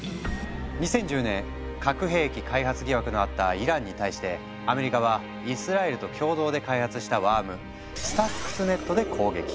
２０１０年核兵器開発疑惑のあったイランに対してアメリカはイスラエルと共同で開発したワーム「スタックスネット」で攻撃。